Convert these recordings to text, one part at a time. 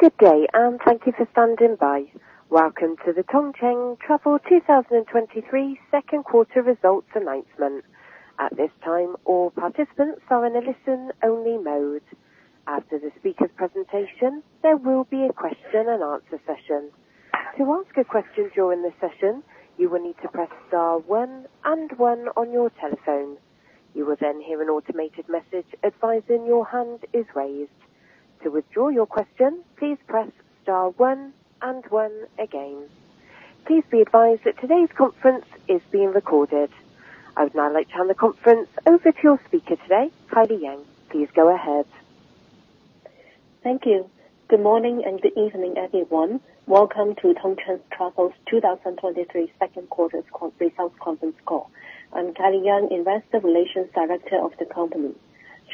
Good day, and thank you for standing by. Welcome to the Tongcheng Travel 2023 second quarter results announcement. At this time, all participants are in a listen-only mode. After the speaker's presentation, there will be a question and answer session. To ask a question during the session, you will need to press star one and one on your telephone. You will then hear an automated message advising your hand is raised. To withdraw your question, please press star one and one again. Please be advised that today's conference is being recorded. I would now like to turn the conference over to your speaker today, Kylie Yeung. Please go ahead. Thank you. Good morning and good evening, everyone. Welcome to Tongcheng Travel's 2023 second quarter results conference call. I'm Kylie Yeung, Investor Relations Director of the company.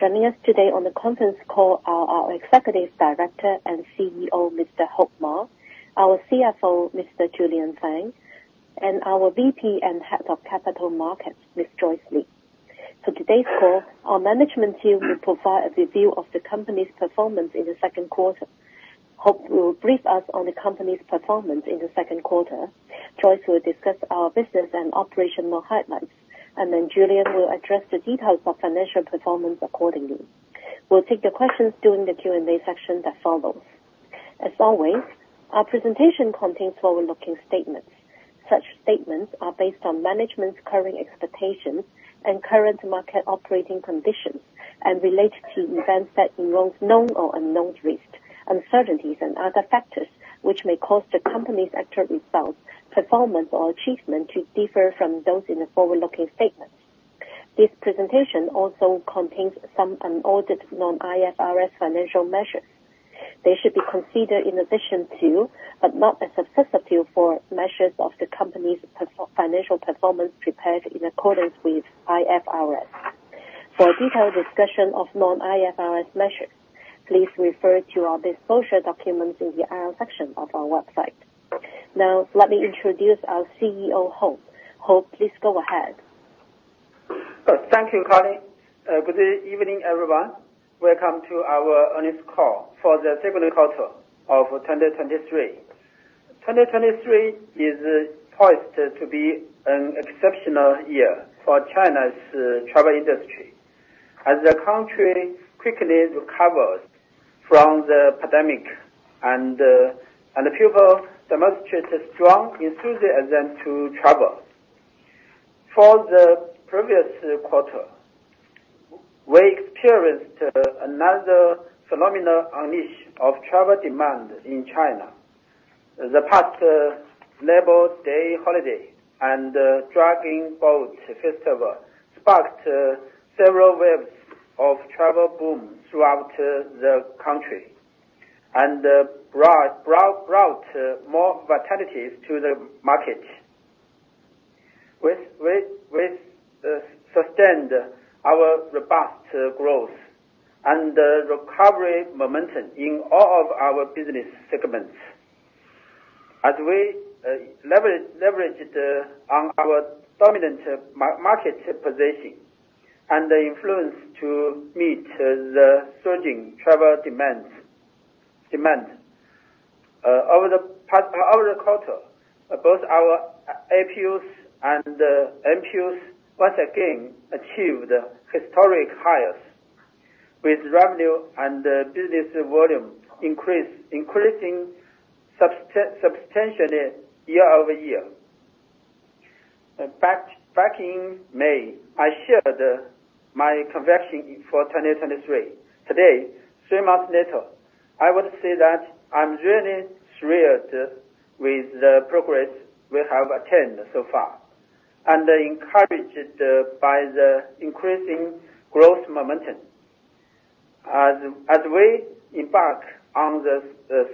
Joining us today on the conference call are our Executive Director and CEO, Mr. Heping Ma, our CFO, Mr. Julian Fan, and our VP and Head of Capital Markets, Ms. Joyce Li. For today's call, our management team will provide a review of the company's performance in the second quarter. Hope will brief us on the company's performance in the second quarter. Joyce will discuss our business and operational highlights, and then Julian will address the details of financial performance accordingly. We'll take the questions during the Q&A session that follows. As always, our presentation contains forward-looking statements. Such statements are based on management's current expectations and current market operating conditions, and relate to events that involve known or unknown risks, uncertainties and other factors, which may cause the company's actual results, performance or achievement to differ from those in the forward-looking statement. This presentation also contains some unaudited non-IFRS financial measures. They should be considered in addition to, but not as a substitute for, measures of the company's financial performance prepared in accordance with IFRS. For a detailed discussion of non-IFRS measures, please refer to our disclosure documents in the IR section of our website. Now, let me introduce our CEO, Hope. Hope, please go ahead. Thank you, Kylie. Good evening, everyone. Welcome to our earnings call for the second quarter of 2023. 2023 is poised to be an exceptional year for China's travel industry, as the country quickly recovers from the pandemic and and people demonstrate a strong enthusiasm to travel. For the previous quarter, we experienced another phenomenal unleash of travel demand in China. The past Labor Day holiday and Dragon Boat Festival sparked several waves of travel boom throughout the country, and brought, brought, brought more vitalities to the market. We, we, we sustained our robust growth and recovery momentum in all of our business segments. As we leverage, leveraged on our dominant market position and the influence to meet the surging travel demands, demand. Over the quarter, both our APUs and MPUs once again achieved historic highs with revenue and business volume increase, increasing substantially year-over-year. Back in May, I shared my conviction for 2023. Today, three months later, I would say that I'm really thrilled with the progress we have attained so far, and encouraged by the increasing growth momentum. As we embark on the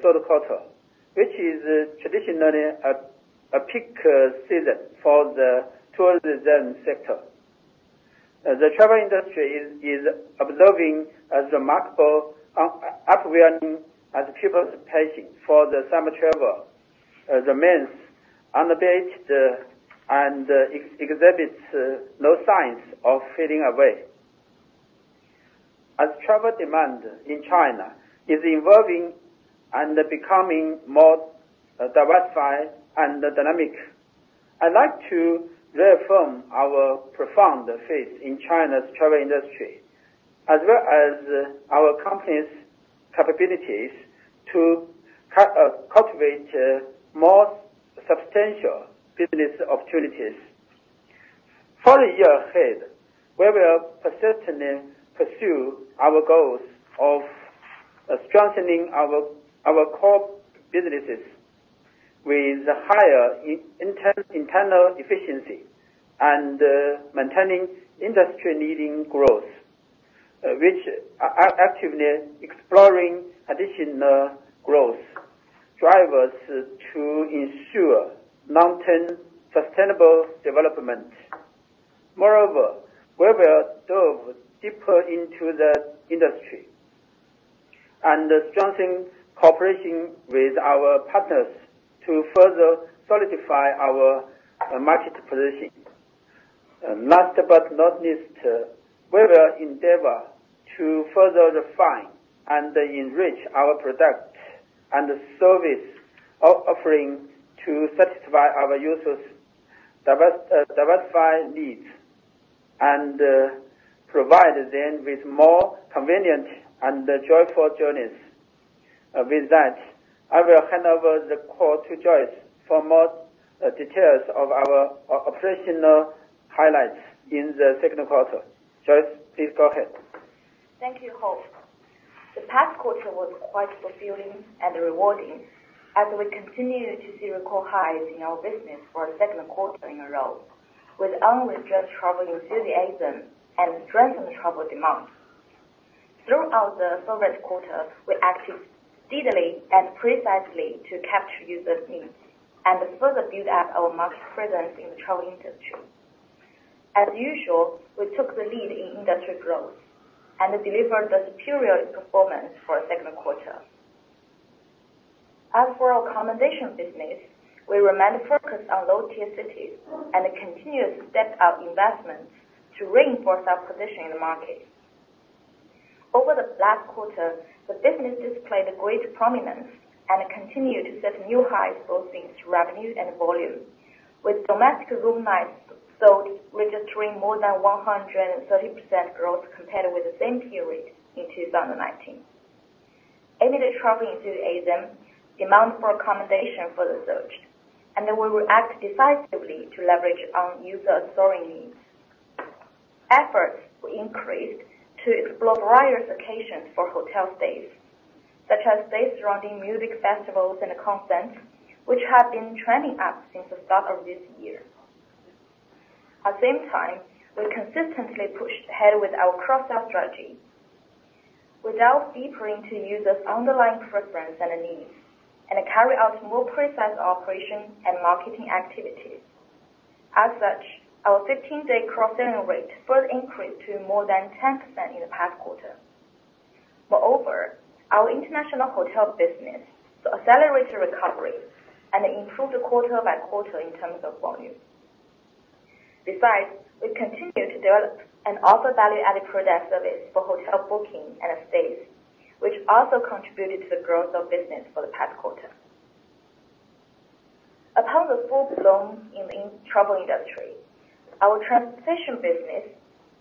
third quarter, which is traditionally a peak season for the tourism sector, the travel industry is observing a remarkable upwelling as people's passion for the summer travel remains unabated and exhibits no signs of fading away. As travel demand in China is evolving and becoming more diversified and dynamic, I'd like to reaffirm our profound faith in China's travel industry, as well as, our company's capabilities to cultivate more substantial business opportunities. For the year ahead, we will persistently pursue our goals of strengthening our core businesses with higher internal efficiency and maintaining industry-leading growth, which are actively exploring additional growth drivers to ensure long-term sustainable development. Moreover, we will dive deeper into the industry and strengthen cooperation with our partners to further solidify our market position. Last but not least, we will endeavor to further refine and enrich our product and service offering to satisfy our users diverse, diversified needs, and provide them with more convenient and joyful journeys. With that, I will hand over the call to Joyce for more details of our operational highlights in the second quarter. Joyce, please go ahead. Thank you, Hope. The past quarter was quite fulfilling and rewarding, as we continued to see record highs in our business for a second quarter in a row, with unrestrained travel enthusiasm and strengthened travel demand. Throughout the summer quarter, we acted steadily and precisely to capture users' needs, and further build up our market presence in the travel industry. As usual, we took the lead in industry growth and delivered a superior performance for the second quarter. As for our accommodation business, we remained focused on low-tier cities and continued to step up investments to reinforce our position in the market. Over the last quarter, the business displayed a great prominence and continued to set new highs, both in revenue and volume, with domestic room nights sold registering more than 130% growth compared with the same period in 2019. Amid the traveling enthusiasm, demand for accommodation further surged, we will act decisively to leverage on user soaring needs. Efforts were increased to explore various occasions for hotel stays, such as stays surrounding music festivals and concerts, which have been trending up since the start of this year. At the same time, we consistently pushed ahead with our cross-sell strategy, we dove deeper into users' underlying preference and needs, and carry out more precise operation and marketing activities. As such, our 15-day cross-selling rate further increased to more than 10% in the past quarter. Moreover, our international hotel business accelerated recovery and improved quarter by quarter in terms of volume. Besides, we continued to develop and offer value-added product service for hotel booking and stays, which also contributed to the growth of business for the past quarter. Upon the full bloom in the travel industry, our transportation business,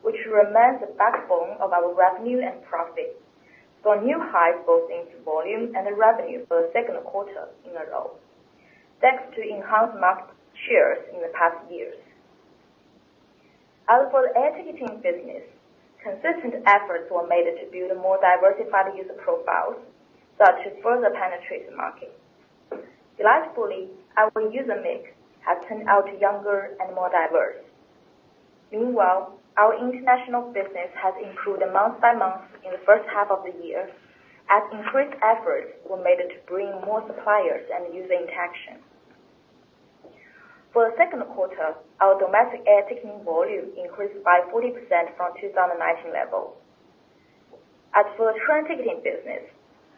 which remains the backbone of our revenue and profit, saw new highs both in volume and revenue for the second quarter in a row, thanks to enhanced market shares in the past years. As for the air ticketing business, consistent efforts were made to build a more diversified user profiles, so as to further penetrate the market. Delightfully, our user mix has turned out younger and more diverse. Meanwhile, our international business has improved month by month in the first half of the year, as increased efforts were made to bring more suppliers and user interaction. For the second quarter, our domestic air ticketing volume increased by 40% from 2019 level. As for the train ticketing business,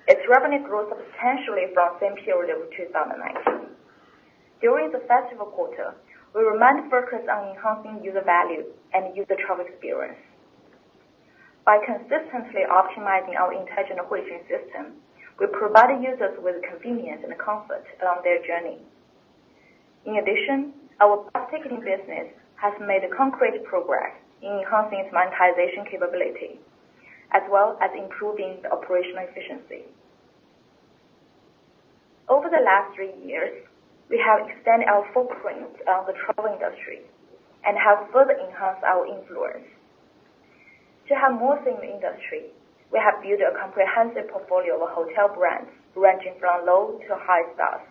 its revenue grew substantially from same period of 2019. During the festival quarter, we remained focused on enhancing user value and user travel experience. By consistently optimizing our intelligent Huixing system, we provided users with convenience and comfort along their journey. In addition, our bus ticketing business has made concrete progress in enhancing its monetization capability, as well as improving the operational efficiency. Over the last three years, we have extended our footprint on the travel industry and have further enhanced our influence. To have more in the industry, we have built a comprehensive portfolio of hotel brands, ranging from low to high stars.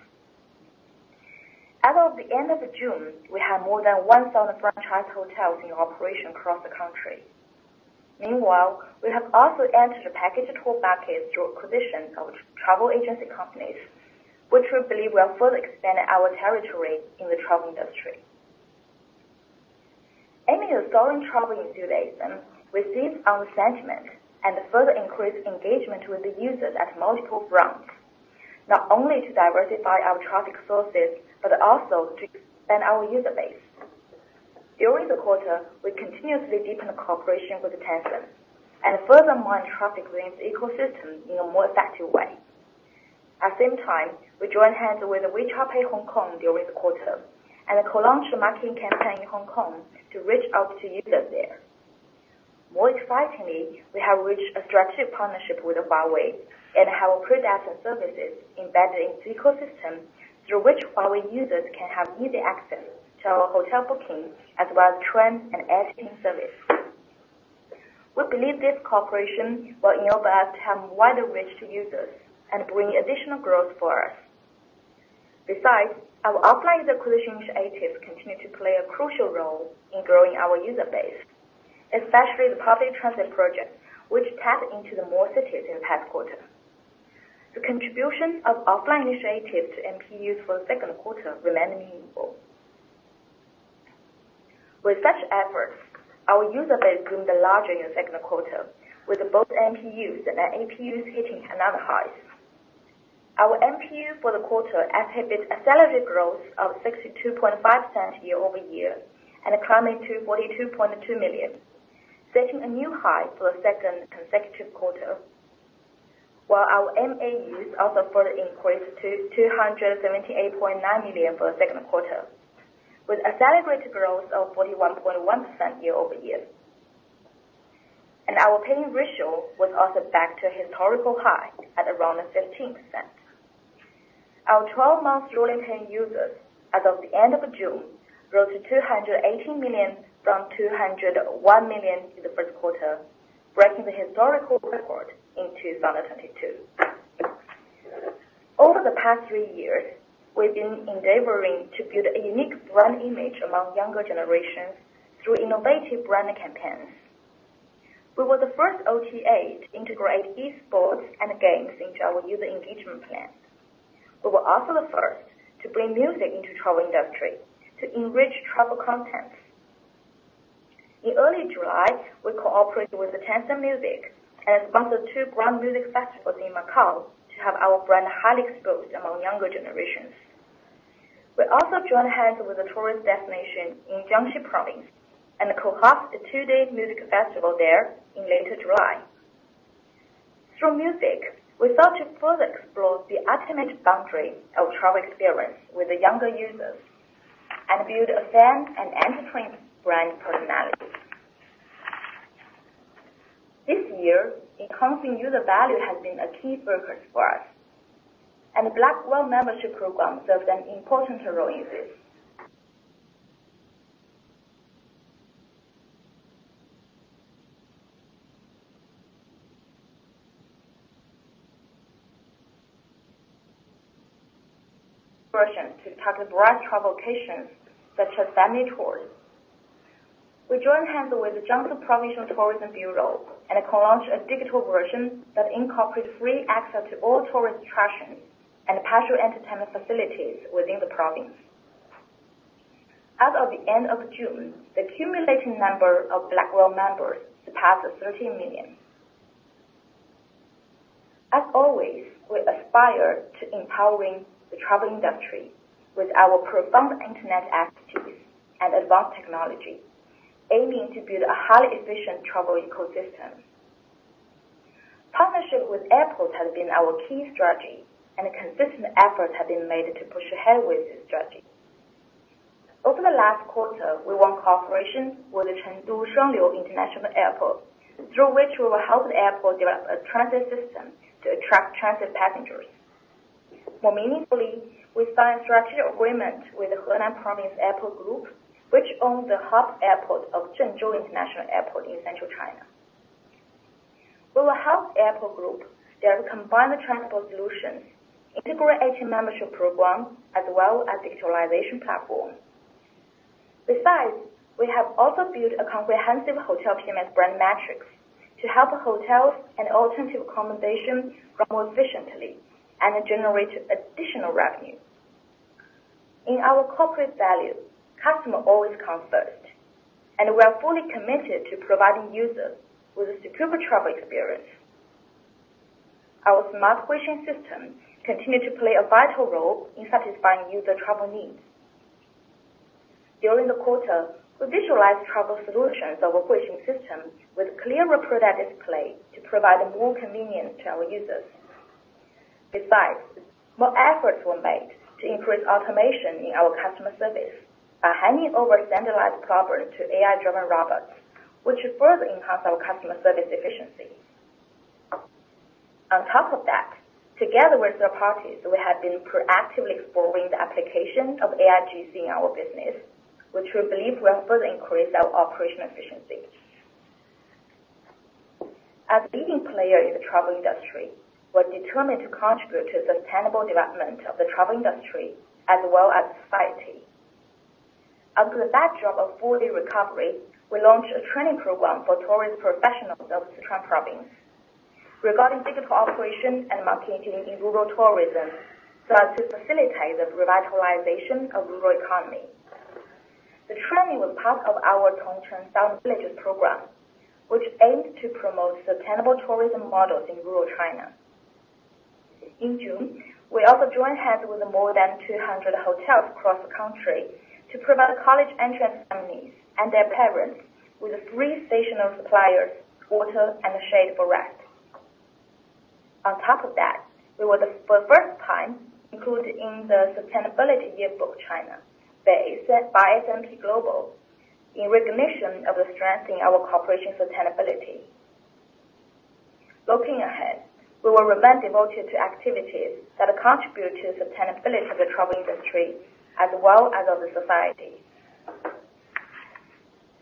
As of the end of June, we had more than 1,000 franchise hotels in operation across the country. Meanwhile, we have also entered the package tour market through acquisition of travel agency companies, which we believe will further expand our territory in the travel industry. Aiming at growing travel enthusiasm, we seized on the sentiment and further increased engagement with the users at multiple fronts, not only to diversify our traffic sources, but also to expand our user base. During the quarter, we continuously deepened cooperation with Tencent, and furthermore, traffic for its ecosystem in a more effective way. At the same time, we joined hands with WeChat Pay Hong Kong during the quarter, and co-launched a marketing campaign in Hong Kong to reach out to users there. More excitingly, we have reached a strategic partnership with Huawei and have our products and services embedded into ecosystem, through which Huawei users can have easy access to our hotel booking, as well as train and air ticketing service. We believe this cooperation will enable us to have wider reach to users and bring additional growth for us. Besides, our offline acquisition initiatives continue to play a crucial role in growing our user base, especially the public transit project, which tapped into more cities in the past quarter. The contribution of offline initiatives to MPUs for the second quarter remained meaningful. With such efforts, our user base grew larger in the second quarter, with both MPUs and APUs hitting another high. Our MPU for the quarter exhibit accelerated growth of 62.5% year-over-year, climbing to 42.2 million, setting a new high for the second consecutive quarter. While our MAUs also further increased to 278.9 million for the second quarter, with accelerated growth of 41.1% year-over-year. Our paying ratio was also back to a historical high at around 15%. Our 12-month rolling paying users as of the end of June, grew to 218 million from 201 million in the first quarter, breaking the historical record in 2022. Over the past three years, we've been endeavoring to build a unique brand image among younger generations through innovative brand campaigns. We were the first OTA to integrate esports and games into our user engagement plan. We were also the first to bring music into travel industry to enrich travel contents. In early July, we cooperated with the Tencent Music and sponsored two grand music festivals in Macau to have our brand highly exposed among younger generations. We also joined hands with a tourist destination in Jiangxi Province and co-hosted a two-day music festival there in later July. Through music, we sought to further explore the ultimate boundary of travel experience with the younger users and build a fan and entertaining brand personality. This year, enhancing user value has been a key focus for us, and the Black Whale membership program served an important role in this. Vision to target broad travel locations, such as family tours. We joined hands with the Jiangxi Provincial Tourism Bureau and co-launched a digital version that incorporates free access to all tourist attractions and partial entertainment facilities within the province. As of the end of June, the cumulative number of Black Whale members surpassed 13 million. As always, we aspire to empowering the travel industry with our profound internet activities and advanced technology, aiming to build a highly efficient travel ecosystem. Partnership with airports has been our key strategy, and a consistent effort has been made to push ahead with this strategy. Over the last quarter, we won cooperation with the Chengdu Shuangliu International Airport, through which we will help the airport develop a transit system to attract transit passengers. More meaningfully, we signed a strategic agreement with the Henan Province Airport Group, which owns the hub airport of Zhengzhou International Airport in central China. We will help the airport group develop combined transport solutions, integrating membership program as well as digitalization platform. Besides, we have also built a comprehensive hotel PMS brand metrics to help hotels and alternative accommodations run more efficiently and generate additional revenue. In our corporate value, customer always comes first, and we are fully committed to providing users with a superior travel experience. Our smart questioning system continue to play a vital role in satisfying user travel needs. During the quarter, we visualized travel solutions of our questioning system with clear product display to provide more convenience to our users. More efforts were made to increase automation in our customer service by handing over standardized queries to AI-driven robots, which should further enhance our customer service efficiency. On top of that, together with third parties, we have been proactively exploring the application of AIGC in our business, which we believe will further increase our operational efficiency. As a leading player in the travel industry, we're determined to contribute to the sustainable development of the travel industry as well as society. Under the backdrop of full day recovery, we launched a training program for tourist professionals of Sichuan Province regarding digital operation and marketing in rural tourism, so as to facilitate the revitalization of rural economy. The training was part of our Tongcheng Thousand Villages Program, which aims to promote sustainable tourism models in rural China. In June, we also joined hands with more than 200 hotels across the country to provide college entrance families and their parents with a free stationery supplies, water, and shade for rest. On top of that, we were for the first time included in the Sustainability Yearbook China, that is set by S&P Global, in recognition of the strength in our corporation sustainability. Looking ahead, we will remain devoted to activities that contribute to the sustainability of the travel industry as well as of the society.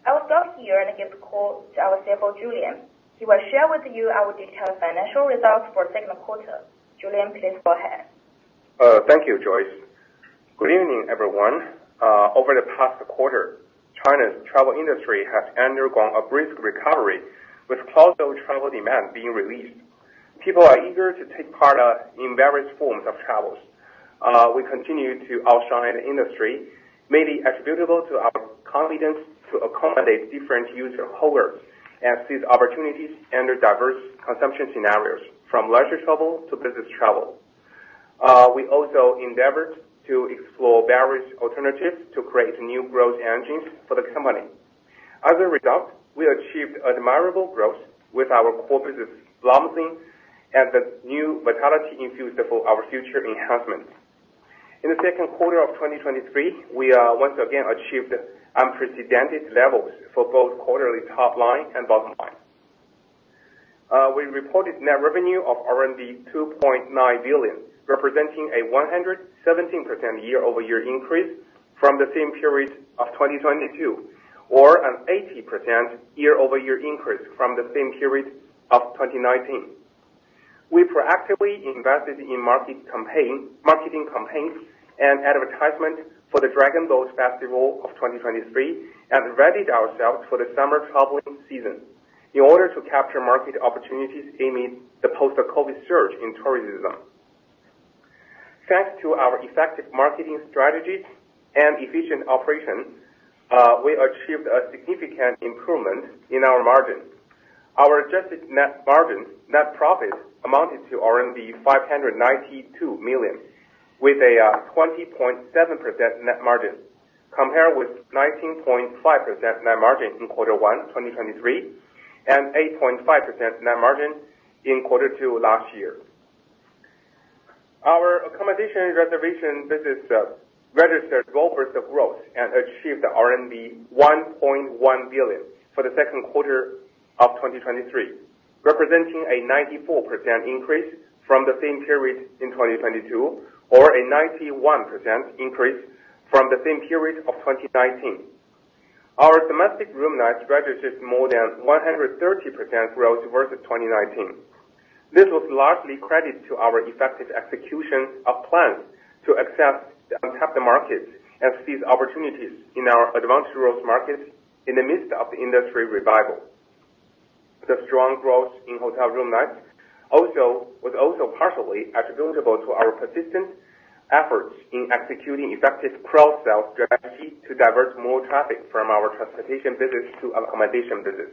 I will stop here and give the call to our CFO, Julian. He will share with you our detailed financial results for the second quarter. Julian, please go ahead. Thank you, Joyce. Good evening, everyone. Over the past quarter, China's travel industry has undergone a brisk recovery, with casual travel demand being released. People are eager to take part in various forms of travel. We continue to outshine the industry, mainly attributable to our confidence to accommodate different user cohorts and seize opportunities under diverse consumption scenarios, from leisure travel to business travel. We also endeavored to explore various alternatives to create new growth engines for the company. As a result, we achieved admirable growth with our core business blossoming and the new vitality infused for our future enhancement. In the second quarter of 2023, we once again achieved unprecedented levels for both quarterly top line and bottom line. We reported net revenue of 2.9 billion, representing a 117% year-over-year increase from the same period of 2022, or an 80% year-over-year increase from the same period of 2019. We proactively invested in marketing campaigns and advertisement for the Dragon Boat Festival of 2023, and readied ourselves for the summer traveling season in order to capture market opportunities amid the post-COVID surge in tourism. Thanks to our effective marketing strategies and efficient operations, we achieved a significant improvement in our margin. Our adjusted net margin, net profit, amounted to 592 million, with a 20.7% net margin, compared with 19.5% net margin in quarter one, 2023, and 8.5% net margin in quarter two last year. Our accommodation reservation business registered robust growth and achieved RMB 1.1 billion for the second quarter of 2023, representing a 94% increase from the same period in 2022, or a 91% increase from the same period of 2019. Our domestic room nights registered more than 130% growth versus 2019. This was largely credited to our effective execution of plans to access the untapped markets and seize opportunities in our advantageous markets in the midst of the industry revival. The strong growth in hotel room nights was also partially attributable to our persistent efforts in executing effective cross-sell strategy to divert more traffic from our transportation business to accommodation business.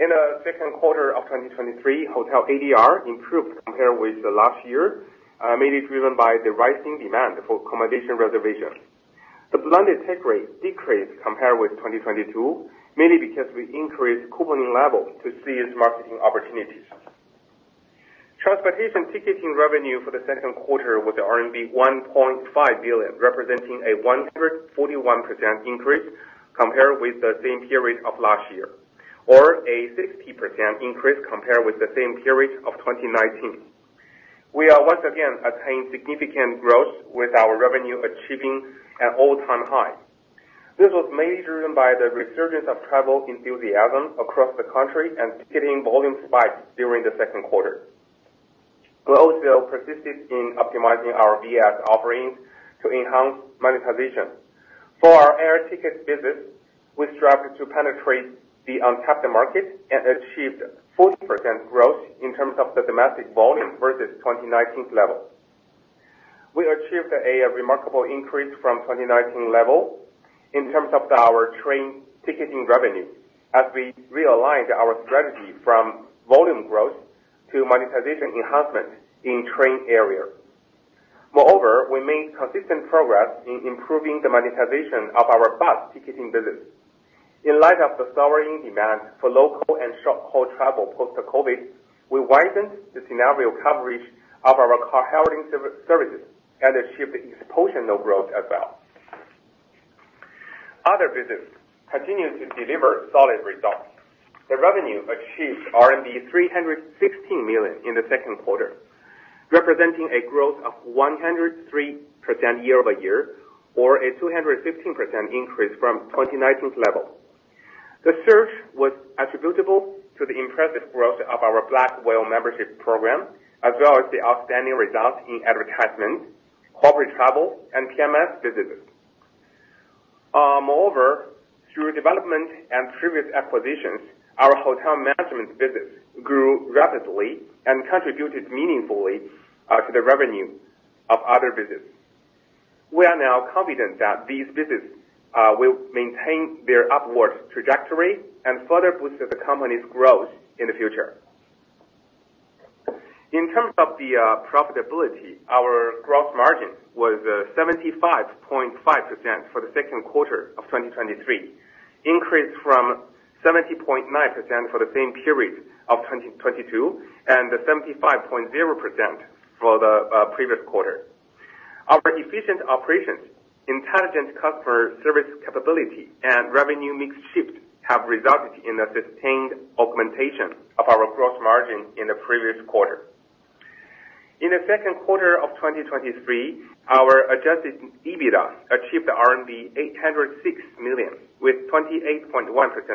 In the second quarter of 2023, Hotel ADR improved compared with the last year, mainly driven by the rising demand for accommodation reservations. The blended take rate decreased compared with 2022, mainly because we increased couponing levels to seize marketing opportunities. Transportation ticketing revenue for the second quarter was RMB 1.5 billion, representing a 141% increase compared with the same period of last year, or a 60% increase compared with the same period of 2019. We are once again attaining significant growth with our revenue achieving an all-time high. This was mainly driven by the resurgence of travel enthusiasm across the country and ticketing volume spikes during the second quarter. We also persisted in optimizing our VAS offerings to enhance monetization. For our air ticket business, we strive to penetrate the untapped market and achieved 40% growth in terms of the domestic volume versus 2019's level. We achieved a remarkable increase from 2019 level in terms of our train ticketing revenue, as we realigned our strategy from volume growth to monetization enhancement in train area. Moreover, we made consistent progress in improving the monetization of our bus ticketing business. In light of the soaring demand for local and short-haul travel post-COVID, we widened the scenario coverage of our car hailing services and achieved exponential growth as well. Other business continued to deliver solid results. The revenue achieved RMB 316 million in the second quarter, representing a growth of 103% year-over-year, or a 215% increase from 2019's level. The surge was attributable to the impressive growth of our Black Whale membership program, as well as the outstanding results in advertisement, corporate travel, and PMS businesses. Moreover, through development and previous acquisitions, our hotel management business grew rapidly and contributed meaningfully to the revenue of other business. We are now confident that these businesses will maintain their upward trajectory and further boost the company's growth in the future. In terms of the profitability, our gross margin was 75.5% for the second quarter of 2023, increased from 70.9% for the same period of 2022, and 75.0% for the previous quarter. Our efficient operations, intelligent customer service capability, and revenue mix shift, have resulted in a sustained augmentation of our gross margin in the previous quarter. In the second quarter of 2023, our adjusted EBITDA achieved 806 million, with 28.1%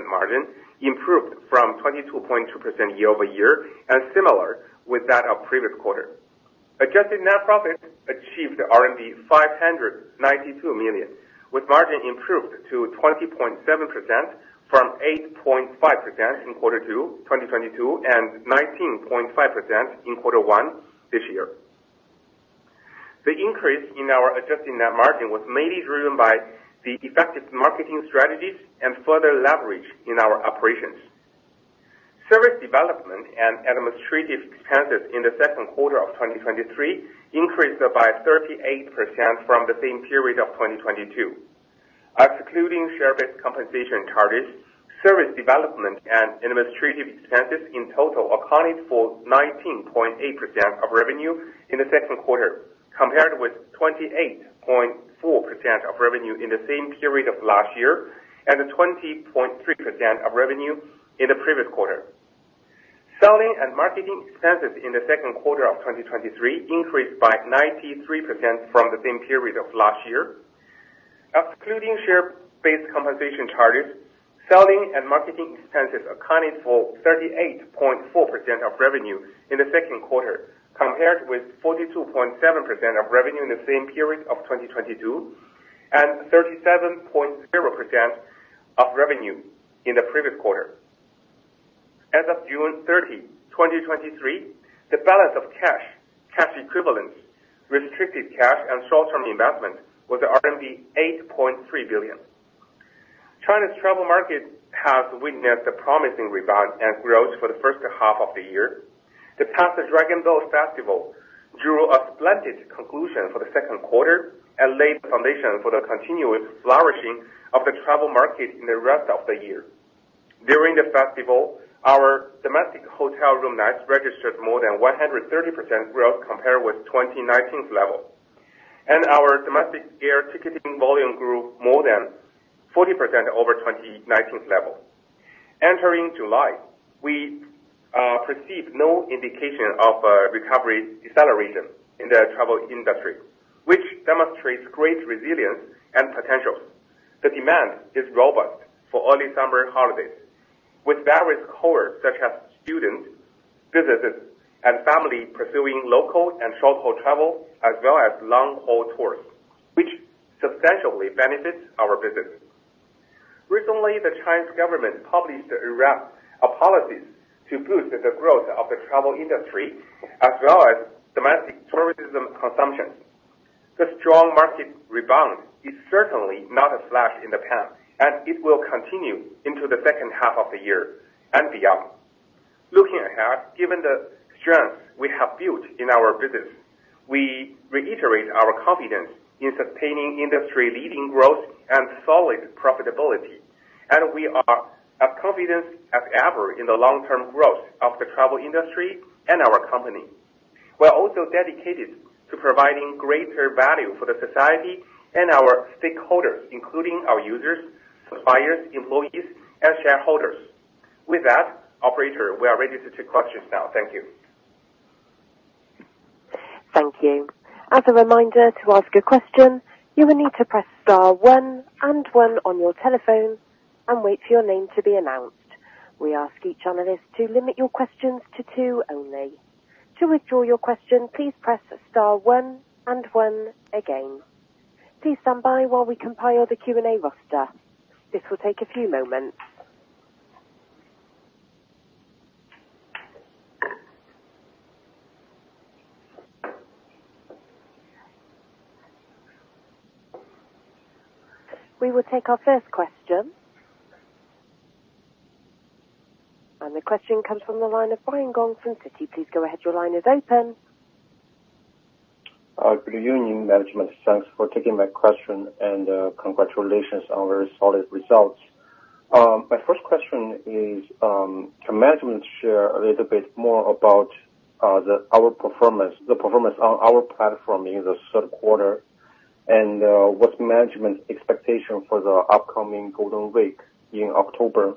margin, improved from 22.2% year-over-year, and similar with that of previous quarter. Adjusted net profit achieved RMB 592 million. With margin improved to 20.7% from 8.5% in quarter two, 2022, and 19.5% in quarter one this year. The increase in our adjusted net margin was mainly driven by the effective marketing strategies and further leverage in our operations. Service development and administrative expenses in the second quarter of 2023 increased by 38% from the same period of 2022. Excluding share-based compensation charges, service development and administrative expenses in total accounted for 19.8% of revenue in the second quarter, compared with 28.4% of revenue in the same period of last year, and a 20.3% of revenue in the previous quarter. Selling and marketing expenses in the second quarter of 2023 increased by 93% from the same period of last year. Excluding share-based compensation charges, selling and marketing expenses accounted for 38.4% of revenue in the second quarter, compared with 42.7% of revenue in the same period of 2022, and 37.0% of revenue in the previous quarter. As of June 30, 2023, the balance of cash, cash equivalents, restricted cash and short-term investment was RMB 8.3 billion. China's travel market has witnessed a promising rebound and growth for the first half of the year. The past Dragon Boat Festival drew a splendid conclusion for the second quarter and laid the foundation for the continuous flourishing of the travel market in the rest of the year. During the festival, our domestic hotel room nights registered more than 130% growth compared with 2019's level, and our domestic air ticketing volume grew more than 40% over 2019's level. Entering July, we perceived no indication of a recovery deceleration in the travel industry, which demonstrates great resilience and potential. The demand is robust for early summer holidays, with various cohorts such as students, businesses, and family pursuing local and short-haul travel, as well as long-haul tours, which substantially benefits our business. Recently, the Chinese government published a raft of policies to boost the growth of the travel industry as well as domestic tourism consumption. The strong market rebound is certainly not a flash in the pan, and it will continue into the second half of the year and beyond. Looking ahead, given the strength we have built in our business, we reiterate our confidence in sustaining industry-leading growth and solid profitability, and we are as confident as ever in the long-term growth of the travel industry and our company. We are also dedicated to providing greater value for the society and our stakeholders, including our users, suppliers, employees, and shareholders. With that, operator, we are ready to take questions now. Thank you. Thank you. As a reminder, to ask a question, you will need to press star one and one on your telephone and wait for your name to be announced. We ask each analyst to limit your questions to 2 only. To withdraw your question, please press star one and one again. Please stand by while we compile the Q&A roster. This will take a few moments. We will take our first question. The question comes from the line of Brian Gong from Citi. Please go ahead. Your line is open. Good evening, management. Thanks for taking my question. Congratulations on very solid results. My first question is, can management share a little bit more about our performance, the performance on our platform in the third quarter? What's management's expectation for the upcoming Golden Week in October?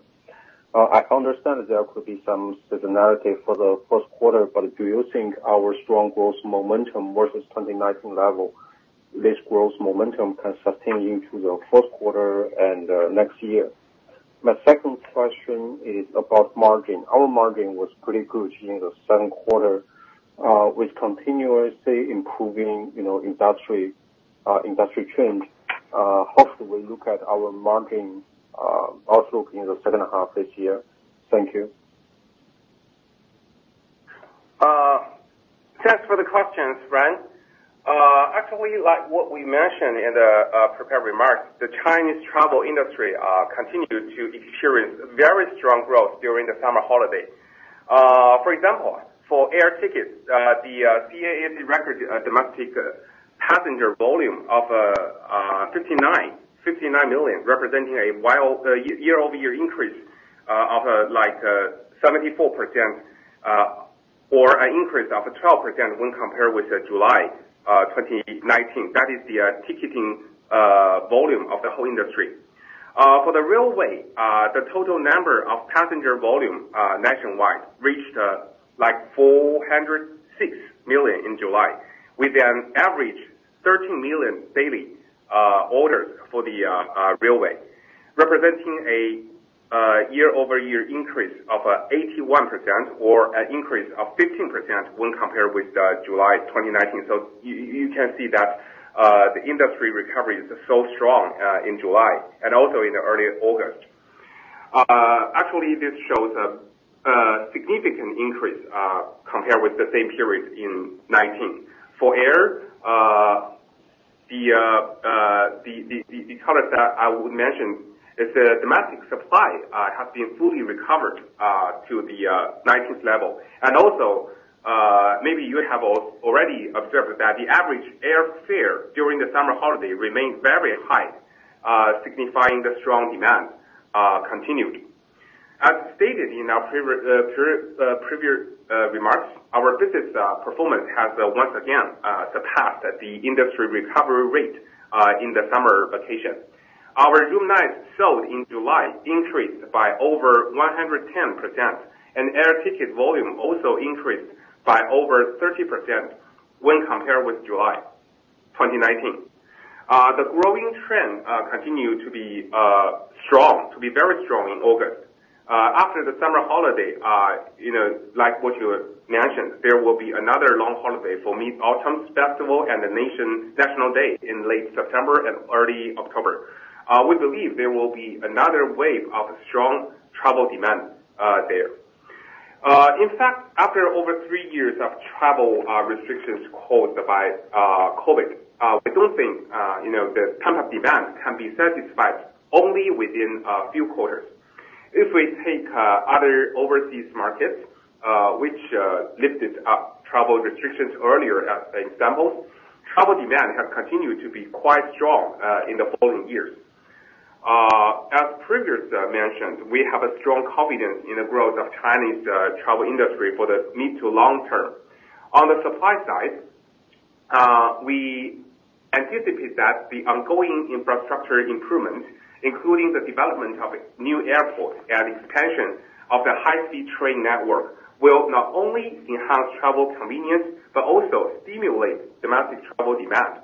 I understand that there could be some seasonality for the first quarter. Do you think our strong growth momentum versus 2019 level, this growth momentum can sustain into the fourth quarter and next year? My second question is about margin. Our margin was pretty good in the second quarter, with continuously improving, you know, industry trends. How do we look at our margin outlook in the second half this year? Thank you. uestions, Brian. Actually, like what we mentioned in the prepared remarks, the Chinese travel industry continued to experience very strong growth during the summer holiday. For example, for air tickets, the CAAC recorded a domestic passenger volume of 59 million, representing a year-over-year increase of 74%, or an increase of 12% when compared with July 2019. That is the ticketing volume of the whole industry. For the railway, the total number of passenger volume nationwide reached 406 million in July, with an average 13 million daily orders for the railway. representing a year-over-year increase of 81% or an increase of 15% when compared with July 2019. You, you can see that the industry recovery is so strong in July and also in early August. Actually, this shows a significant increase compared with the same period in 2019. For air, the domestic supply has been fully recovered to the 2019 level. Also, maybe you have already observed that the average airfare during the summer holiday remains very high, signifying the strong demand continuing. As stated in our previous remarks, our business performance has once again surpassed the industry recovery rate in the summer vacation. Our room nights sold in July increased by over 110%, and air ticket volume also increased by over 30% when compared with July 2019. The growing trend continued to be strong, to be very strong in August. After the summer holiday, you know, like what you mentioned, there will be another long holiday for Mid-Autumn Festival and National Day in late September and early October. We believe there will be another wave of strong travel demand there. In fact, after over three years of travel restrictions caused by COVID, we don't think, you know, the pent-up demand can be satisfied only within a few quarters. If we take other overseas markets, which lifted up travel restrictions earlier as an example, travel demand has continued to be quite strong in the following years. As previously mentioned, we have a strong confidence in the growth of Chinese travel industry for the mid to long term. On the supply side, we anticipate that the ongoing infrastructure improvements, including the development of new airports and expansion of the high-speed train network, will not only enhance travel convenience, but also stimulate domestic travel demand.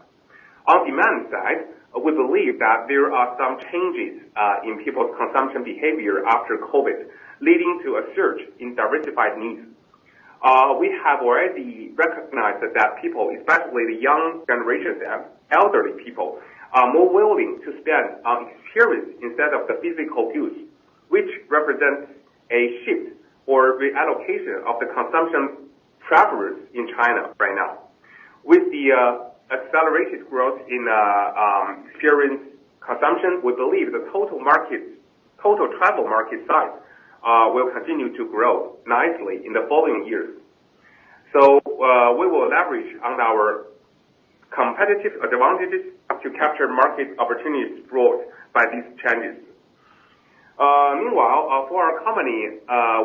On demand side, we believe that there are some changes in people's consumption behavior after COVID, leading to a surge in diversified needs. We have already recognized that people, especially the young generation and elderly people, are more willing to spend on experience instead of the physical goods, which represents a shift or reallocation of the consumption to travel in China right now. With the accelerated growth in experience consumption, we believe the total market, total travel market size, will continue to grow nicely in the following years. We will leverage on our competitive advantages to capture market opportunities brought by these changes. Meanwhile, for our company,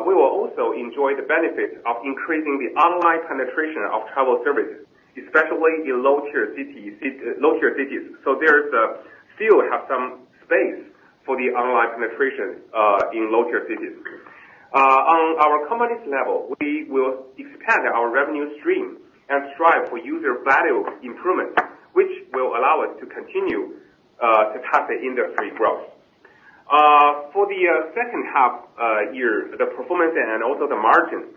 we will also enjoy the benefit of increasing the online penetration of travel services, especially in lower-tier cities, lower-tier cities. There is still have some space for the online penetration in lower-tier cities. On our company's level, we will expand our revenue stream and strive for user value improvement, which will allow us to continue to track the industry growth. For the second half year, the performance and also the margin,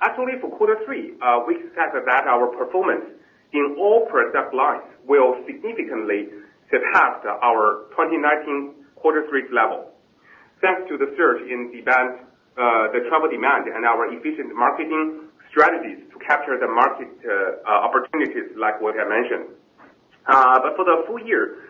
actually for Q3, we expect that our performance in all product lines will significantly surpass our 2019 Q3 level. Thanks to the surge in demand, the travel demand and our efficient marketing strategies to capture the market opportunities like what I mentioned. For the full year,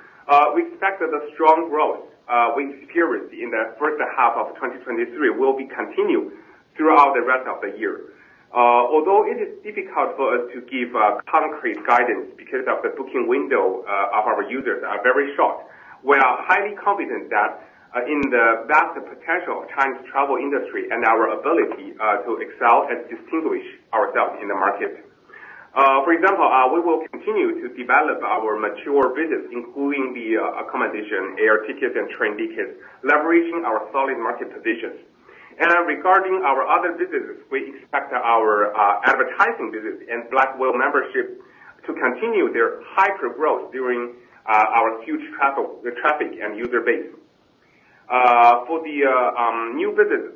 we expect that the strong growth we experienced in the first half of 2023 will be continued throughout the rest of the year. Although it is difficult for us to give concrete guidance because of the booking window of our users are very short, we are highly confident that in the vast potential of Chinese travel industry and our ability to excel and distinguish ourselves in the market. For example, we will continue to develop our mature business, including the accommodation, air tickets and train tickets, leveraging our solid market positions. Regarding our other businesses, we expect our advertising business and Black Whale membership to continue their hyper growth during our huge travel, the traffic and user base. For the new business,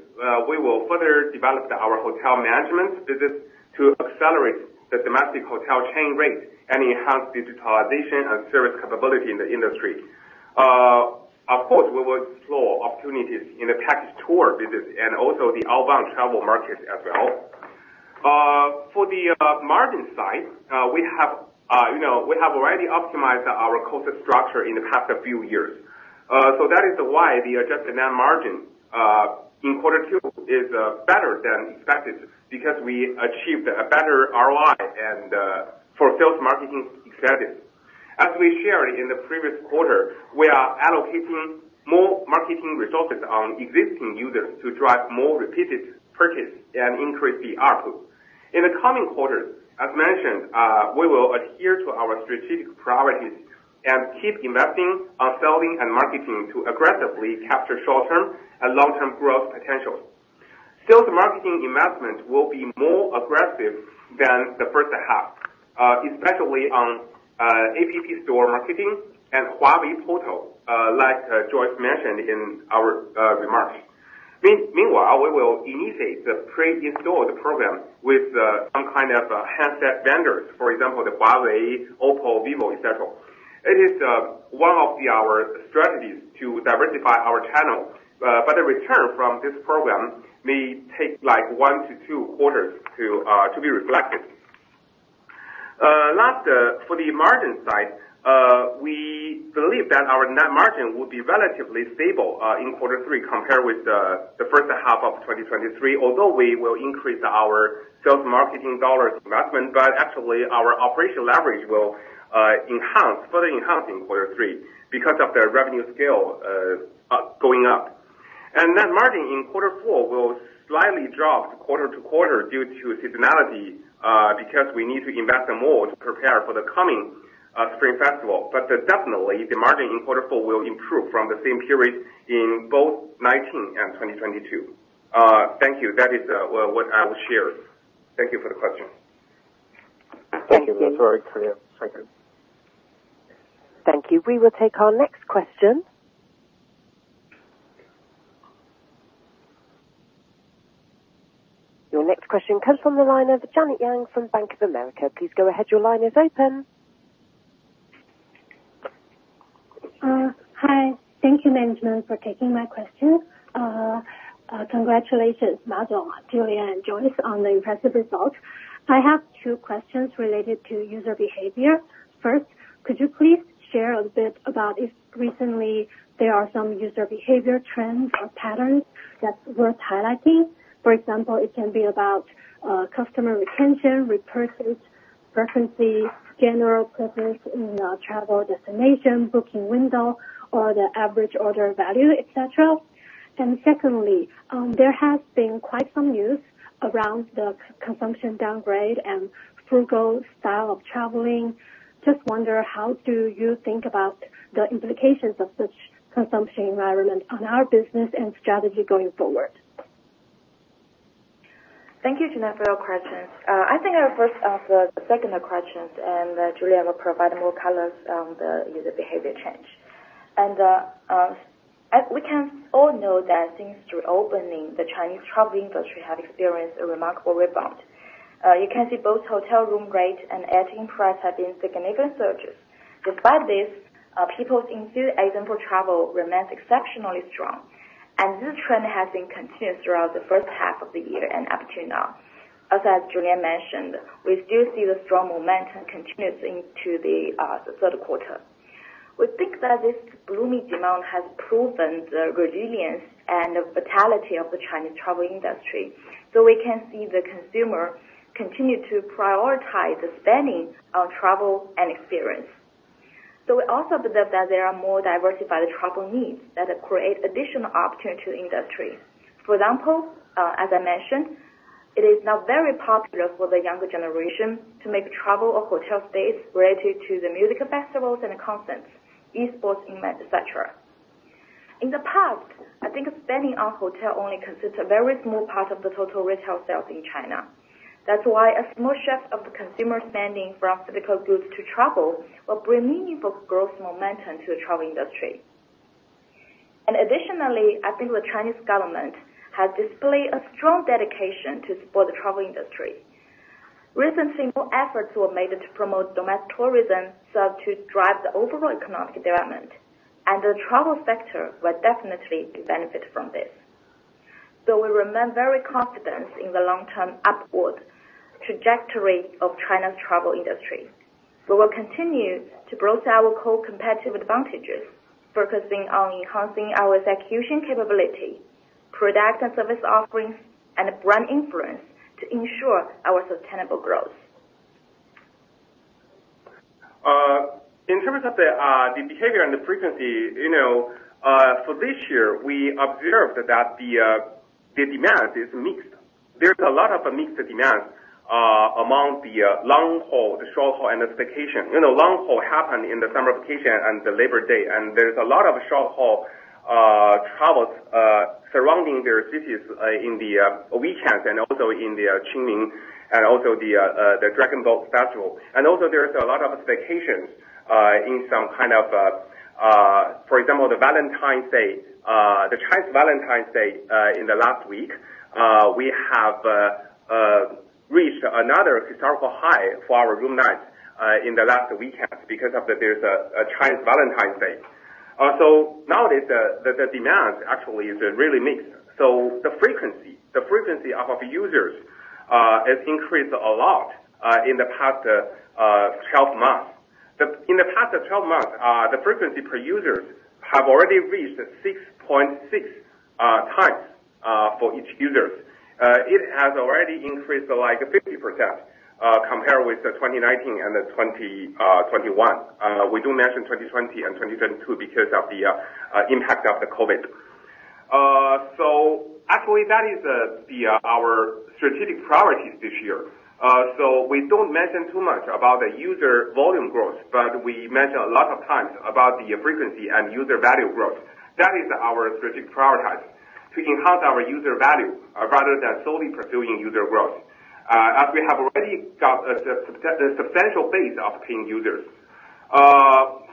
we will further develop our hotel management business to accelerate the domestic hotel chain rate and enhance digitalization and service capability in the industry. Of course, we will explore opportunities in the package tour business and also the outbound travel market as well. For the margin side, we have, you know, we have already optimized our cost structure in the past few years. That is why the adjusted net margin in quarter two is better than expected, because we achieved a better ROI and for sales marketing expenses. As we shared in the previous quarter, we are allocating more marketing resources on existing users to drive more repeated purchase and increase the ARPU. In the coming quarters, as mentioned, we will adhere to our strategic priorities and keep investing on selling and marketing to aggressively capture short-term and long-term growth potential. Sales marketing investment will be more aggressive than the first half, especially on App Store marketing and Huawei Petal, like Joyce mentioned in our remarks. Meanwhile, we will initiate the pre-installed program with some kind of handset vendors, for example, Huawei, Oppo, Vivo, et cetera. It is one of our strategies to diversify our channel, but the return from this program may take, like, one to two quarters to be reflected. Last, for the margin side, we believe that our net margin will be relatively stable in quarter three, compared with the first half of 2023. Although we will increase our sales marketing dollars investment, but actually our operation leverage will enhance, further enhance in quarter three because of the revenue scale going up. Net margin in quarter four will slightly drop quarter-over-quarter due to seasonality, because we need to invest more to prepare for the coming Spring Festival. Definitely, the margin in quarter four will improve from the same period in both 2019 and 2022. Thank you. That is what I will share. Thank you for the question. Thank you. Thank you very much. Thank you. We will take our next question. Your next question comes from the line of Janet Yang from Bank of America. Please go ahead. Your line is open. Hi. Thank you, management, for taking my question. Congratulations, Ma Heping, Julian, and Joyce, on the impressive results. I have two questions related to user behavior. First, could you please share a bit about if recently there are some user behavior trends or patterns that's worth highlighting? For example, it can be about customer retention, repurchase frequency, general preference in travel destination, booking window, or the average order value, et cetera. Secondly, there has been quite some news around the consumption downgrade and frugal style of traveling. Just wonder, how do you think about the implications of such consumption environment on our business and strategy going forward? Thank you, Janet, for your questions. I think I'll first answer the second questions, and Julian will provide more colors on the user behavior change. As we can all know, that since reopening, the Chinese travel industry have experienced a remarkable rebound. You can see both hotel room rate and airfare price have been significant surges. Despite this, people's enthusiasm for travel remains exceptionally strong, and this trend has been continued throughout the first half of the year and up to now. As Julian mentioned, we still see the strong momentum continuing into the third quarter. We think that this blooming demand has proven the resilience and the vitality of the Chinese travel industry, we can see the consumer continue to prioritize the spending on travel and experience. We also believe that there are more diversified travel needs that create additional opportunity to industry. For example, as I mentioned, it is now very popular for the younger generation to make travel or hotel stays related to the music festivals and concerts, e-sports event, et cetera. In the past, I think spending on hotel only consists a very small part of the total retail sales in China. That's why a small shift of the consumer spending from physical goods to travel will bring meaningful growth momentum to the travel industry. Additionally, I think the Chinese government has displayed a strong dedication to support the travel industry. Recently, more efforts were made to promote domestic tourism, so as to drive the overall economic development, and the travel sector will definitely benefit from this. We remain very confident in the long-term upward trajectory of China's travel industry. We will continue to browse our core competitive advantages, focusing on enhancing our execution capability, product and service offerings, and brand influence to ensure our sustainable growth. In terms of the behavior and the frequency, you know, for this year, we observed that the demand is mixed. There's a lot of mixed demand among the long haul, the short haul, and the vacation. You know, long haul happened in the summer vacation and the Labor Day, and there's a lot of short haul travels surrounding their cities in the weekends and also in the Qingming and also the Dragon Boat Festival. Also there's a lot of vacations in some kind of... For example, the Valentine's Day, the Chinese Valentine's Day, in the last week, we have reached another historical high for our room night in the last weekend because of the, there's a Chinese Valentine's Day. Nowadays, the demand actually is really mixed, so the frequency, the frequency of our users has increased a lot in the past 12 months. In the past 12 months, the frequency per users have already reached 6.6 times for each users. It has already increased, like, 50% compared with 2019 and 2021. We don't mention 2020 and 2022 because of the impact of the COVID. Actually that is our strategic priorities this year. We don't mention too much about the user volume growth, but we mention a lot of times about the frequency and user value growth. That is our strategic priority, to enhance our user value, rather than solely pursuing user growth, as we have already got a substantial base of paying users.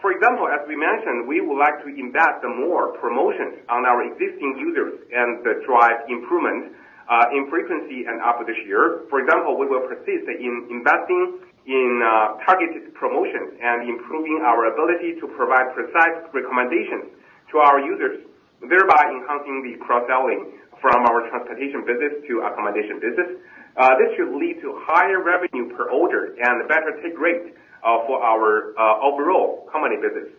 For example, as we mentioned, we would like to invest more promotions on our existing users and to drive improvement in frequency and output this year. For example, we will persist in investing in targeted promotions and improving our ability to provide precise recommendations to our users, thereby enhancing the cross-selling from our transportation business to accommodation business. This should lead to higher revenue per order and better take rate for our overall company business.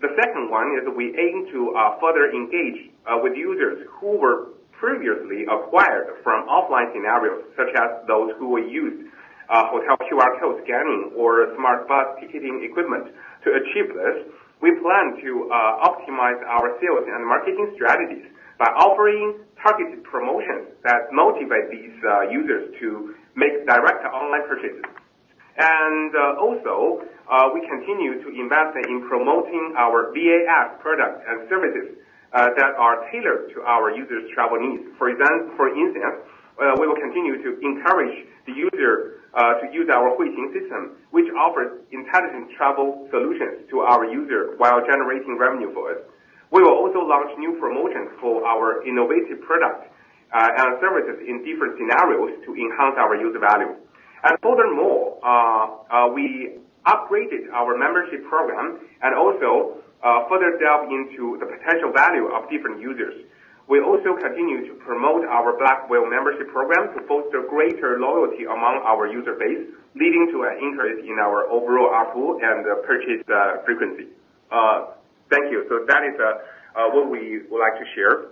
The second one is we aim to further engage with users who were previously acquired from offline scenarios, such as those who will use hotel QR code scanning or smart bus ticketing equipment. To achieve this, we plan to optimize our sales and marketing strategies by offering targeted promotions that motivate these users to make direct online purchases. Also, we continue to invest in promoting our VAS product and services that are tailored to our users' travel needs. For instance, we will continue to encourage the user to use our Huixing system, which offers intelligent travel solutions to our user while generating revenue for us. We will also launch new promotions for our innovative product and services in different scenarios to enhance our user value. Furthermore, we upgraded our membership program and also further delved into the potential value of different users. We also continue to promote our Black Whale membership program to foster greater loyalty among our user base, leading to an increase in our overall ARPU and purchase frequency. Thank you. That is what we would like to share.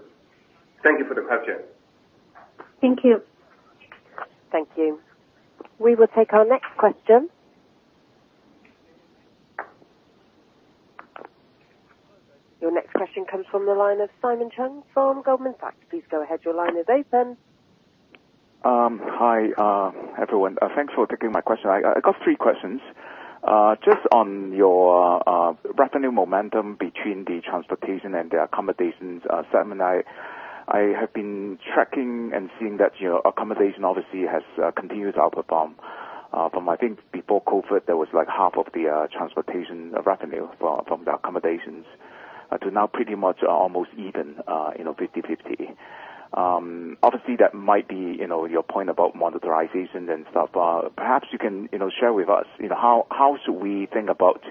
Thank you for the question. Thank you. Thank you. We will take our next question. Your next question comes from the line of Simon Cheung from Goldman Sachs. Please go ahead. Your line is open. Hi, everyone. Thanks for taking my question. I got 3 questions. Just on your revenue momentum between the transportation and the accommodations segment, I have been tracking and seeing that, you know, accommodation obviously has continued to outperform. From I think before COVID, there was like half of the transportation revenue from the accommodations, to now pretty much almost even, you know, 50/50. Obviously, that might be, you know, your point about monetization and stuff. Perhaps you can, you know, share with us, you know, how, how should we think about,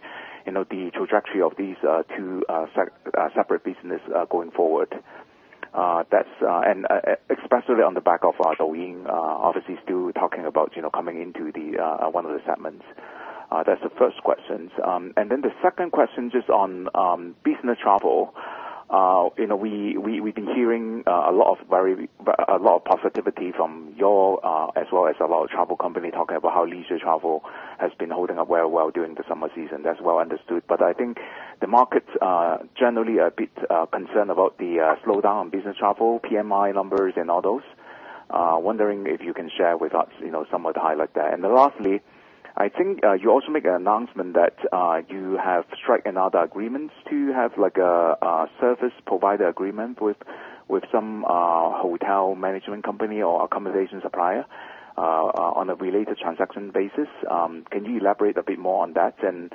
you know, the trajectory of these two separate business going forward? That's, and especially on the back of Douyin, obviously still talking about, you know, coming into the one of the segments. That's the first questions. Then the second question, just on business travel. You know, we, we've been hearing a lot of very, a lot of positivity from your, as well as a lot of travel company talking about how leisure travel has been holding up very well during the summer season. That's well understood, but I think the markets are generally a bit concerned about the slowdown in business travel, PMI numbers and all those. Wondering if you can share with us, you know, some of the highlight there. Then lastly, I think, you also make an announcement that you have strike another agreements to have, like, a service provider agreement with, with some hotel management company or accommodation supplier on a related transaction basis. Can you elaborate a bit more on that and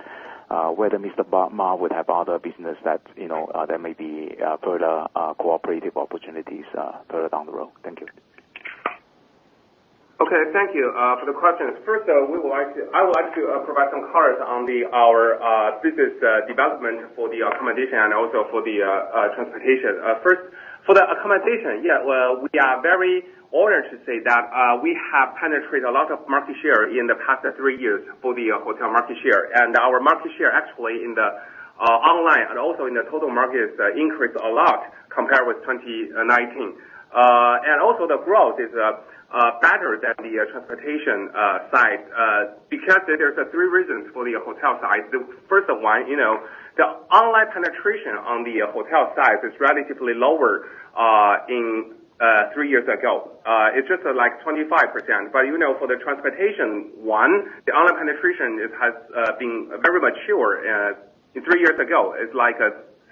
whether Ma Heping would have other business that, you know, there may be further cooperative opportunities further down the road? Thank you. Okay, thank you for the questions. First, I would like to provide some colors on our business development for the accommodation and also for the transportation. First, for the accommodation,, well, we are very honored to say that we have penetrated a lot of market share in the past 3 years for the hotel market share. Our market share actually in the online and also in the total market, has increased a lot compared with 2019. Also the growth is better than the transportation side, because there's 3 reasons for the hotel side. The first one, you know, the online penetration on the hotel side is relatively lower in 3 years ago. It's just like 25%. You know, for the transportation, one, the online penetration it has been very mature. Three years ago, it's like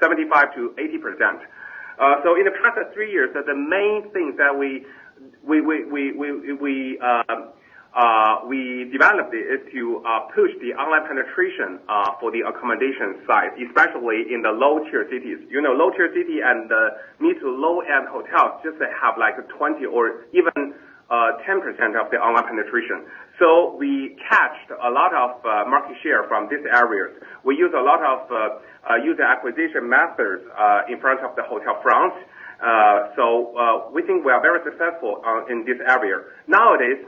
75%-80%. In the past three years, the main things that we developed is to push the online penetration for the accommodation side, especially in the low-tier cities. You know, low-tier city and the mid to low-end hotels just have like 20% or even 10% of the online penetration. We captured a lot of market share from these areas. We use a lot of user acquisition methods in front of the hotel front. We think we are very successful in this area. Nowadays,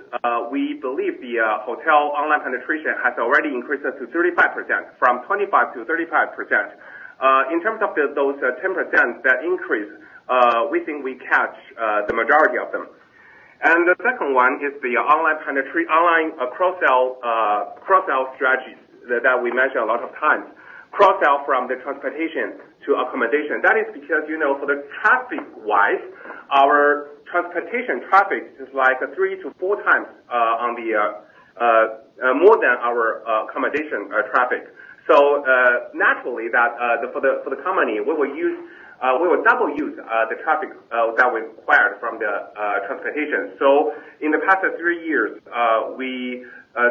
we believe the hotel online penetration has already increased up to 35%, from 25% to 35%. In terms of the, those, 10% that increase, we think we catch the majority of them. The second one is the online kind of traffic, online, cross-sell, cross-sell strategies that, that we measure a lot of times. Cross-sell from the transportation to accommodation. That is because, you know, for the traffic-wise, our transportation traffic is like 3 to 4 times on the more than our accommodation traffic. Naturally, that the for the for the company, we will use, we will double use the traffic that we acquired from the transportation. In the past, 3 years, we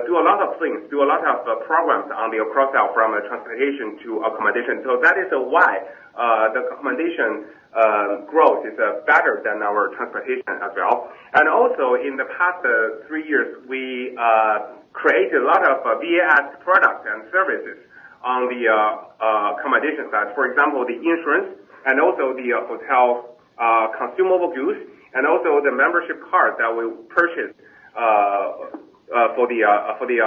do a lot of things, do a lot of programs on the cross-sell from transportation to accommodation. That is why the accommodation growth is better than our transportation as well. In the past three years, we created a lot of VAS products and services on the accommodation side. For example, the insurance and also the hotel consumable goods, and also the membership card that we purchase for the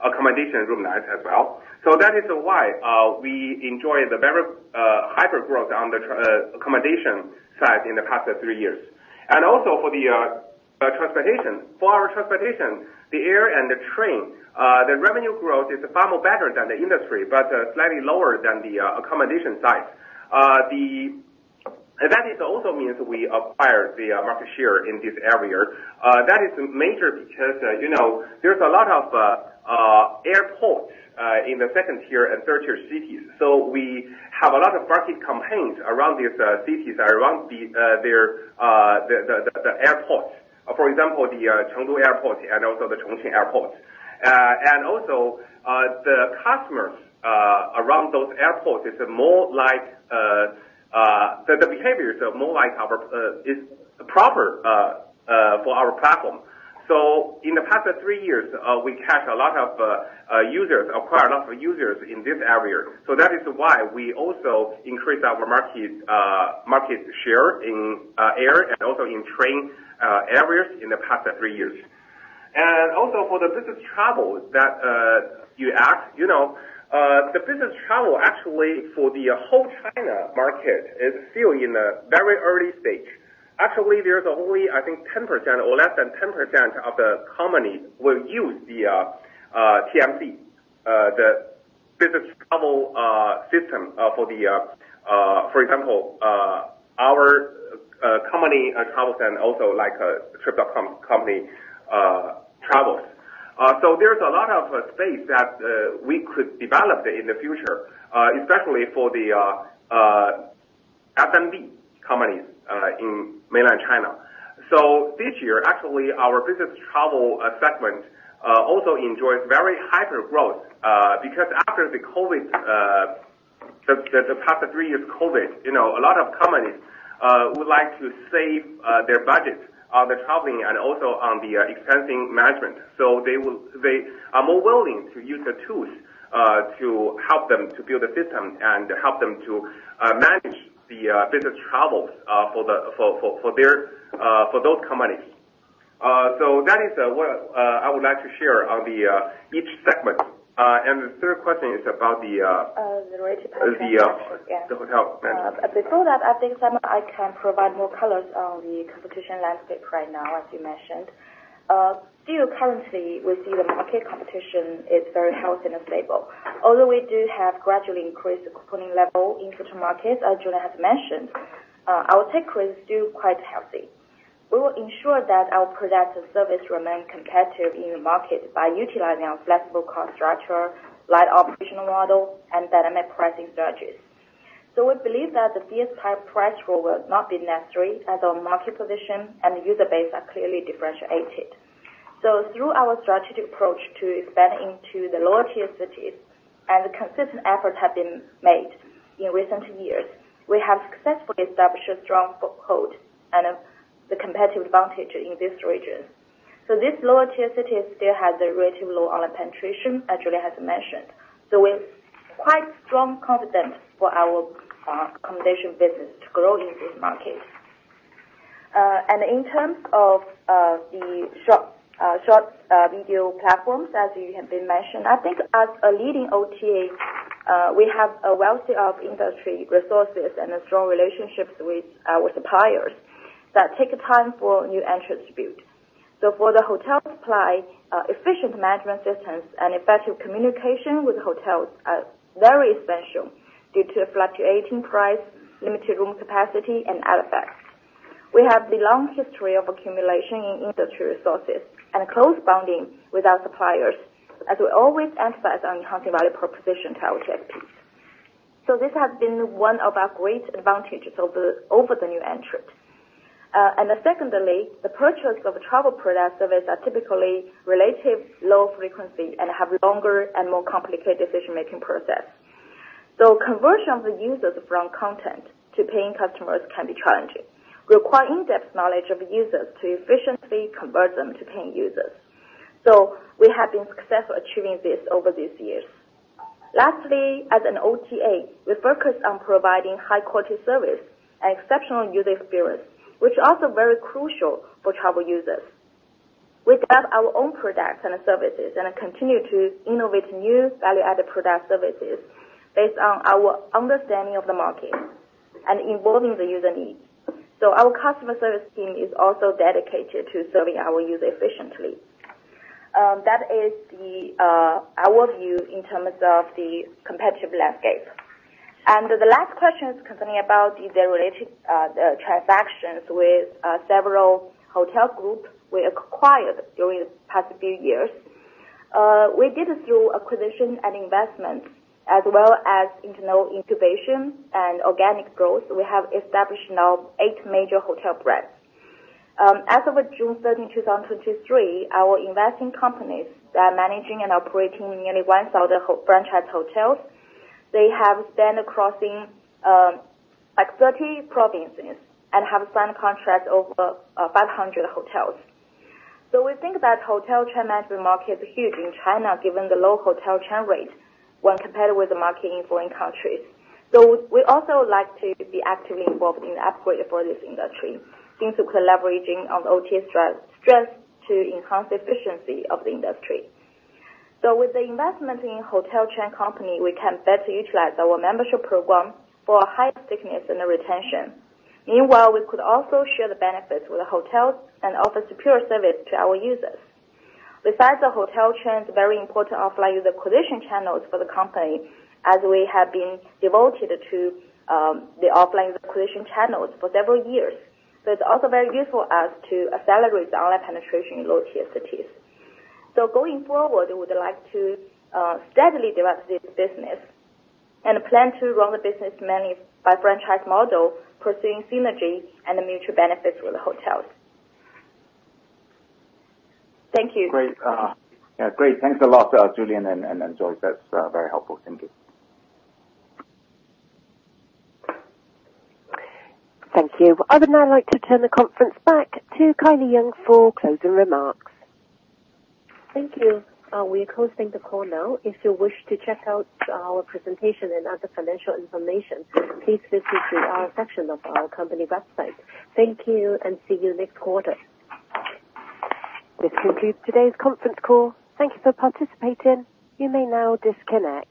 accommodation room nights as well. That is why we enjoy the very hyper growth on the accommodation side in the past three years. For the transportation. For our transportation, the air and the train, the revenue growth is far more better than the industry, but slightly lower than the accommodation side. That is also means we acquired the market share in this area. Uh, that is major because, uh, you know, there's a lot of, uh, uh, airports, uh, in the second tier and third tier cities. So we have a lot of market campaigns around these, uh, cities, around the, uh, their, uh, the, the, the, the airports. For example, the, uh, Chengdu Airport and also the Chongqing Airport. Uh, and also, uh, the customers, uh, around those airports is more like, uh, uh... The, the behaviors are more like our, uh, is proper, uh, uh, for our platform. So in the past, uh, three years, uh, we catch a lot of, uh, uh, users, acquire a lot of users in this area. So that is why we also increase our market, uh, market share in, uh, air and also in train, uh, areas in the past, uh, three years. Also for the business travel that, you asked, you know, the business travel, actually for the whole China market, is still in a very early stage. Actually, there's only, I think 10% or less than 10% of the companies will use the TMC, the business travel system. For example, our company, Tongcheng, also like Trip.com company, travels. There's a lot of space that we could develop in the future, especially for the SMB companies in mainland China. This year, actually, our business travel segment also enjoys very high growth, because after the COVID, the past three years COVID, you know, a lot of companies would like to save their budget on the traveling and also on the expenses management. They are more willing to use the tools to help them to build a system and help them to manage the business travel for those companies. That is what I would like to share on each segment. The third question is about the... the rate. The hotel management. Before that, I think I can provide more colors on the competition landscape right now, as you mentioned. Still currently, we see the market competition is very healthy and stable. Although we do have gradually increased operating level in certain markets, as Julian has mentioned, our take rate is still quite healthy. We will ensure that our product and service remain competitive in the market by utilizing our flexible cost structure, light operational model, and dynamic pricing strategies. We believe that the fierce price war will not be necessary, as our market position and user base are clearly differentiated. Through our strategic approach to expand into the lower tier cities, and the consistent effort have been made in recent years, we have successfully established a strong foothold and a competitive advantage in this region. This lower tier cities still has a relatively low online penetration, as Julian has mentioned, so we're quite strong confident for our accommodation business to grow in this market. In terms of the short video platforms, as you have been mentioned, I think as a leading OTA, we have a wealth of industry resources and strong relationships with our suppliers that take time for new entrants to build. For the hotel supply, efficient management systems and effective communication with hotels are very essential due to fluctuating price, limited room capacity and other effects. We have the long history of accumulation in industry resources and close bonding with our suppliers, as we always emphasize on enhancing value proposition to our guests. This has been one of our great advantages over the new entrants. Secondly, the purchase of travel product service are typically relatively low frequency and have longer and more complicated decision-making process. Conversion of users from content to paying customers can be challenging, require in-depth knowledge of users to efficiently convert them to paying users. We have been successful achieving this over these years. Lastly, as an OTA, we focus on providing high-quality service and exceptional user experience, which are also very crucial for travel users. We have our own products and services, and continue to innovate new value-added product services based on our understanding of the market and involving the user needs. Our customer service team is also dedicated to serving our users efficiently. That is the our view in terms of the competitive landscape. The last question is concerning about the related transactions with several hotel groups we acquired during the past few years. We did it through acquisition and investment, as well as internal incubation and organic growth. We have established now 8 major hotel brands. As of June 30, 2023, our investing companies are managing and operating nearly 1,000 franchise hotels. They have been crossing, like 30 provinces and have signed contracts over 500 hotels. We think that hotel chain management market is huge in China, given the low hotel chain rate when compared with the market in foreign countries. We also like to be actively involved in the upgrade for this industry, into collaborating on OTAs strength to enhance efficiency of the industry. With the investment in hotel chain company, we can better utilize our membership program for higher stickiness and retention. Meanwhile, we could also share the benefits with the hotels and offer superior service to our users. Besides, the hotel chain is a very important offline user acquisition channels for the company, as we have been devoted to the offline acquisition channels for several years. It's also very useful as to accelerate the online penetration in low-tier cities. Going forward, we would like to steadily develop this business and plan to run the business mainly by franchise model, pursuing synergy and mutual benefits with the hotels. Thank you. Great., great. Thanks a lot, Julian and, and, Joyce. That's very helpful. Thank you. Thank you. I would now like to turn the conference back to Kylie Yeung for closing remarks. Thank you. We're closing the call now. If you wish to check out our presentation and other financial information, please visit the IR section of our company website. Thank you, and see you next quarter. This concludes today's conference call. Thank you for participating. You may now disconnect.